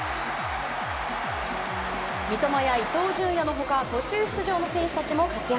三笘や伊東純也の他途中出場の選手たちも活躍。